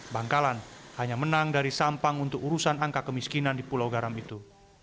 bangkalan hanya menang dari sampang untuk urusan angka kemiskinan di pulau garam itu